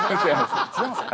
違いますか？